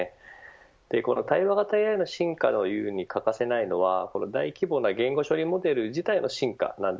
対話型ＡＩの進化に欠かせないのは大規模な言語処理モデルの進化